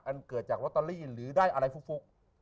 เกิดจากลอตเตอรี่หรือได้อะไรฟุก